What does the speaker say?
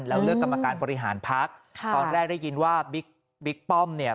แล้วเลือกกรรมการบริหารพักตอนแรกได้ยินว่าบิ๊กบิ๊กป้อมเนี่ย